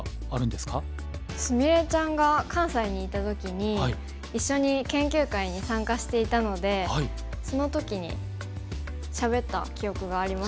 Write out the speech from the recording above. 菫ちゃんが関西にいた時に一緒に研究会に参加していたのでその時にしゃべった記憶があります。